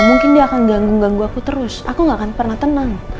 mungkin dia akan ganggu ganggu aku terus aku gak akan pernah tenang